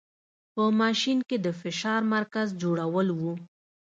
په ماشین کې د فشار مرکز جوړول و.